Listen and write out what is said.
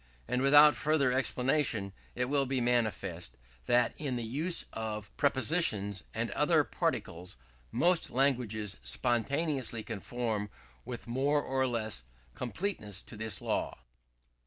And without further explanation, it will be manifest, that in the use of prepositions and other particles, most languages spontaneously conform with more or less completeness to this law.